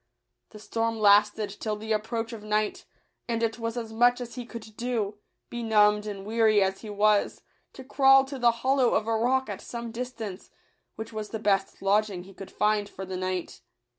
The storm lasted till the approach of night, and it was as much as he could do, benumbed and weary as he was, to crawl to the hollow of a rock at some distance, which was the best lodging he could find for the night.